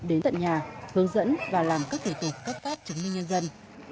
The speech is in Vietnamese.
đến tận nhà hướng dẫn và làm các thủ tục cấp phát chứng minh nhân dân